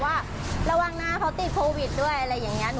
อ๋อแต่เรามาพอพูดอย่างนั้น